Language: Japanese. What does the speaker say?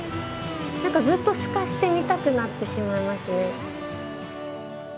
何かずっと透かして見たくなってしまいますね。